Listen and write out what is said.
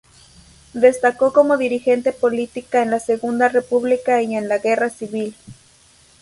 Destacó como dirigente política en la Segunda República y en la guerra civil.